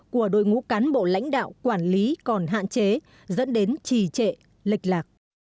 của đội ngũ cán bộ lãnh đạo quản lý còn hạn chế dẫn đến trì trệ lệch lạc